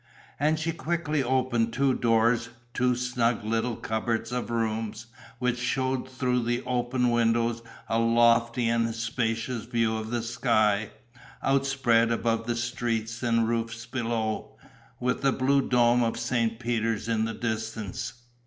And she quickly opened two doors, two snug little cupboards of rooms, which showed through the open windows a lofty and spacious view of the sky, outspread above the streets and roofs below, with the blue dome of St. Peter's in the distance.